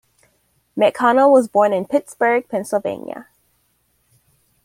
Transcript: McConnell was born in Pittsburgh, Pennsylvania.